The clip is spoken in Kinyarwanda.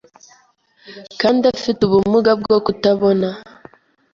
kandi afite ubumuga bwo kutabona